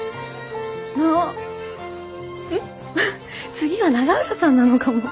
次は永浦さんなのかも。